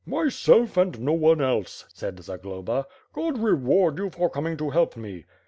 "Myself, and no one else,'^ said Zagloba. '^God reward you for coming to help me."